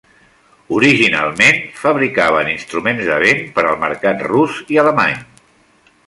Originalment fabricaven instruments de vent per al mercat rus i alemany.